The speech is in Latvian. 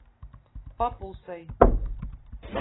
Pa pusei.